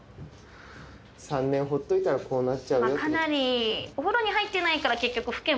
３年ほっといたらこうなっちゃうよってこと。